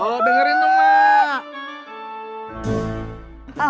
oh dengerin dong mak